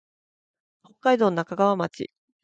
北海道中川町